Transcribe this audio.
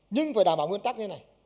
nhưng phải đảm bảo nguyên tắc như thế này